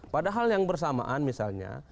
padahal yang bersamaan misalnya